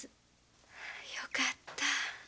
よかった。